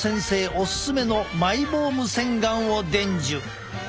オススメのマイボーム洗顔を伝授！